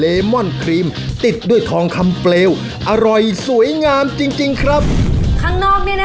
เลมอนครีมอันนี้ไม่เคยกิน